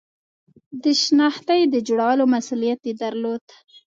د شنختې د جوړولو مسئولیت یې درلود.